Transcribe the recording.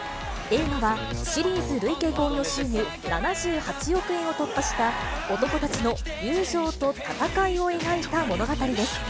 映画は、シリーズ累計興行収入７８億円を突破した、男たちの友情と闘いを描いた物語です。